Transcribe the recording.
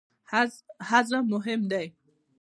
هضم مهم دی.